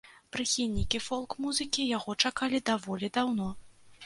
Прыхільнікі фолк-музыкі яго чакалі даволі даўно.